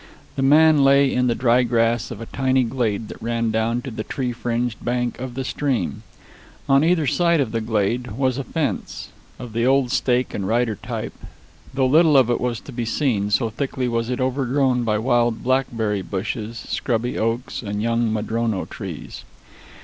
The man lay in the dry grass of a tiny glade that ran down to the tree fringed bank of the stream. On either side of the glade was a fence, of the old stake and rider type, though little of it was to be seen, so thickly was it overgrown by wild blackberry bushes, scrubby oaks and young madrono trees.